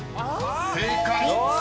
［正解！］